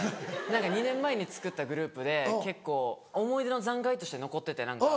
２年前に作ったグループで結構思い出の残骸として残ってて。